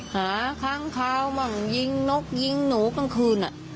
หาค้างคาวมั่งยิงนกยิงหนูกลางคืน